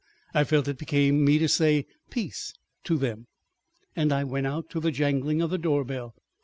I felt it became me to say "Peace" to them, and I went out, to the jangling of the door bell.